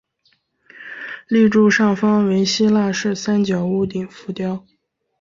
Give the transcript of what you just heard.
立柱上方为希腊式三角屋顶浮雕。